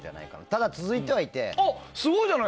ただ、続いていて。